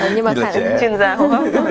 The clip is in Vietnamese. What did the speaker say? nhưng mà kháng sinh là chuyên gia không ạ